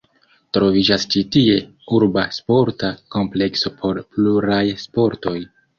Troviĝas ĉi tie urba sporta komplekso por pluraj sportoj.